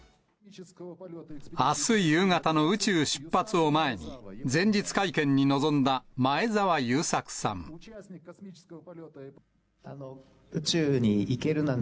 あす夕方の宇宙出発を前に、前日会見に臨んだ前澤友作さん。